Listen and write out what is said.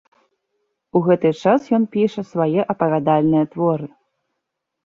У гэты час ён піша свае апавядальныя творы.